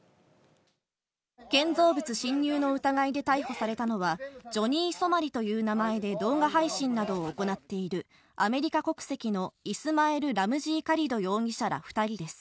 建造物侵入の疑いで逮捕されたのは、ジョニー・ソマリという名前で動画配信などを行っているアメリカ国籍のイスマエル・ラムジー・カリド容疑者ら２人です。